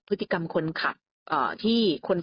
พฤติกรรมคนขับที่คลิบขี่มอเตอร์ไซส์